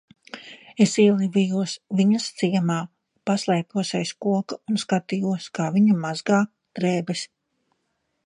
Es ielavījos viņas ciemā, paslēpos aiz koka un skatījos, kā viņa mazgā drēbes.